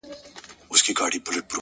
یاد د هغې راکړه راته شراب راکه